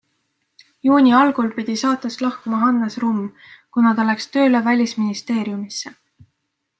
Juuni algul pidi saatest lahkuma Hannes Rumm, kuna ta läks tööle välisministeeriumisse.